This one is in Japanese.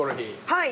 はい。